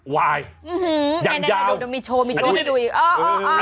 วายอียาวอ่าวนี่ก็ดูนมีโชว์ในโชว์ให้ดูอีกอะไรอ่ะได้ยาวอ่าว